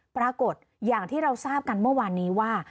ปรากฏอย่างที่เราทราบกันเมื่อวานนี้ว่า